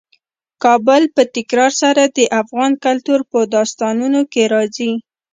کابل په تکرار سره د افغان کلتور په داستانونو کې راځي.